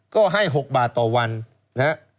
คุณนิวจดไว้หมื่นบาทต่อเดือนมีค่าเสี่ยงให้ด้วย